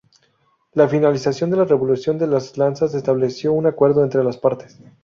La finalización de la Revolución de las Lanzas estableció un acuerdo entre las partes.